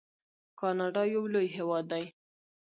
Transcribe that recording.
کاناډا یو لوی هیواد دی.